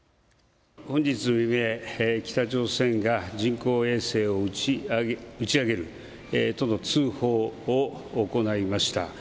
本日未明、北朝鮮が人工衛星を打ち上げるとの通報を行いました。